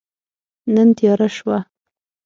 نن تیاره شوه